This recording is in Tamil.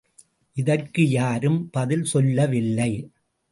இதற்கு யாரும் பதில் சொல்லவில்லை.